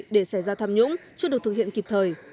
để xảy ra tham nhũng chưa được thực hiện kịp thời